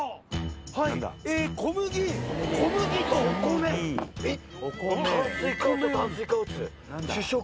はいええ小麦小麦とお米えっ？